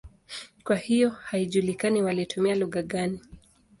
Kwa hiyo haijulikani walitumia lugha gani.